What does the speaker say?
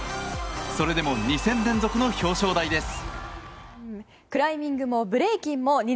それでも２戦連続の表彰台です。